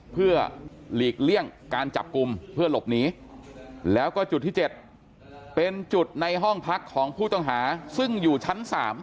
เพื่อหลีกเลี่ยงการจับกลุ่มเพื่อหลบหนีแล้วก็จุดที่๗เป็นจุดในห้องพักของผู้ต้องหาซึ่งอยู่ชั้น๓